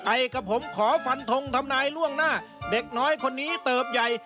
ไอกับผมขอฟันทงทำนายล่วงหน้าเด็กน้อยคนนี้เติบใหญ่